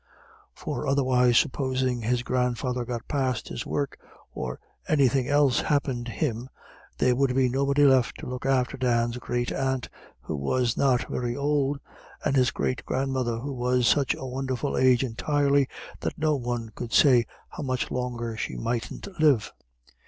For otherwise supposing his grandfather got past his work, or anything else happened him, there would be nobody left to look after Dan's great aunt, who was not very old, and his great grandmother, who was such a wonderful age entirely that no one could say how much longer she mighn't live.